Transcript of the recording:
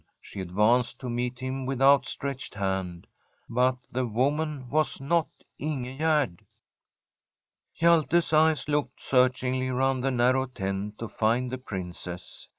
She advanced to meet him with outstretched hand. But the woman was not In gegerd. Hjalte's eyes looked searchingly round the narrow tent to find the Princess.